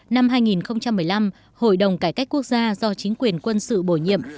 năm hai nghìn một mươi năm hội đồng cải cách quốc gia do chính quyền quân sự bổ nhiệm